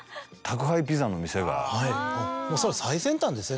それは最先端ですね